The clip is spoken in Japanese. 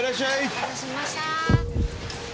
お待たせしました。